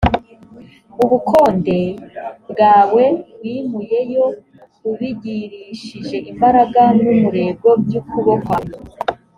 ubukonde bwawe, wimuyeyo ubigirishije imbaraga n’umurego by’ukuboko kwawe!